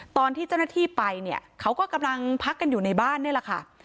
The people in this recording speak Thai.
ตอนที่เจ้าหน้าที่ไปเนี่ยเขาก็กำลังพักกันอยู่ในบ้านนี่แหละค่ะ